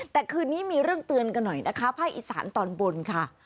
แต่คืนนี้มีเรื่องเตือนกันหน่อยนะคะภาคอีสานตอนบนค่ะ